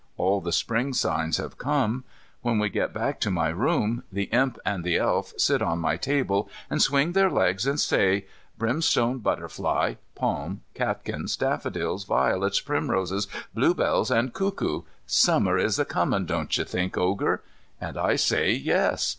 All the Spring signs have come. When we get back to my room, the Imp and the Elf sit on my table and swing their legs and say, "Brimstone butterfly, palm, catkins, daffodils, violets, primroses, blue bells, and cuckoo; Summer is coming, don't you think, Ogre?" And I say yes.